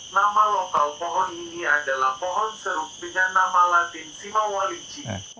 nama lokal pohon ini adalah pohon seru dengan nama latin simawalinci